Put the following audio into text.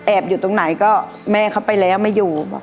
อยู่ตรงไหนก็แม่เขาไปแล้วไม่อยู่